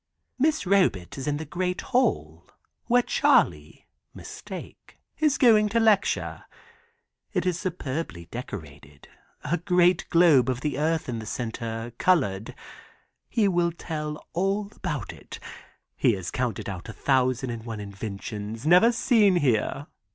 "Miss Robet is in the great hall, where Charley (mistake) is going to lecture. It is superbly decorated, a great globe of the earth in the center, colored. He will tell all about it. He has counted out a thousand and one inventions never seen here.